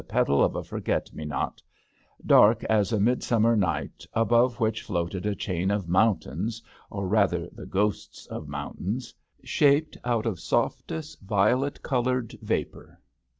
petal of a forget me not, dark as a midsummer night; above which floated a chain of mountains, or rather the ghosts of mountains, shaped out of softest violet coloured vapour.